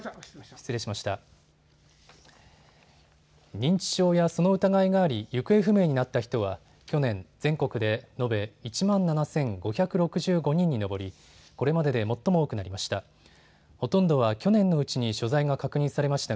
認知症やその疑いがあり行方不明になった人は去年、全国で延べ１万７５６５人に上り、これまでで最も多くなりました。